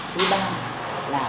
thứ ba là